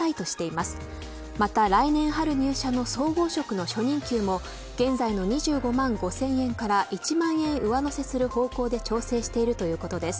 また、来年春入社の総合職の初任給も現在の２５万５０００円から１万円上乗せする方向で調整しているということです。